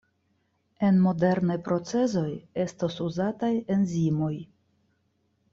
En modernaj procezoj estas uzataj enzimoj.